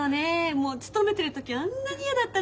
もう勤めてる時はあんなに嫌だったのに。